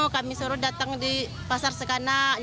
kami suruh datang di pasar sekanak